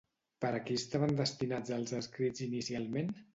Per a qui estaven destinats els escrits inicialment?